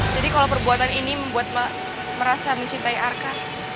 jadi kalau perbuatan ini membuat mbak merasa mencintai arka